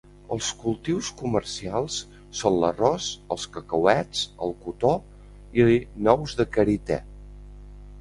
Els cultius comercials són l'arròs, els cacauets, el cotó i nous de karité.